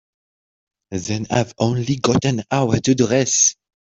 Then I've only got an hour to dress.